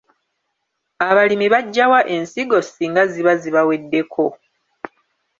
Abalimi baggyawa ensigo singa ziba zibaweddeko?